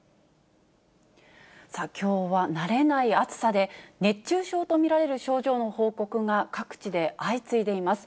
きょうは慣れない暑さで、熱中症と見られる症状の報告が各地で相次いでいます。